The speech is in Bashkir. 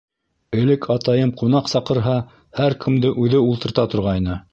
Элек атайым ҡунаҡ саҡырһа, һәр кемде үҙе ултырта торғайны.